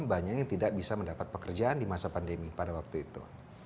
banyak yang tidak bisa mendapat pekerjaan di masa pandemi pada waktu itu